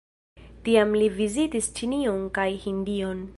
Tiam li vizitis Ĉinion kaj Hindion.